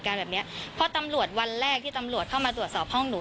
แบบเนี้ยเพราะตำรวจวันแรกที่ตำรวจเข้ามาตรวจสอบห้องหนู